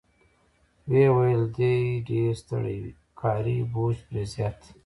ویې ویل: دی ډېر ستړی وي، کاري بوج پرې زیات دی.